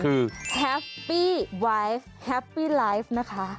คือแฮปปี้ไวท์แฮปปี้ไลฟ์นะคะ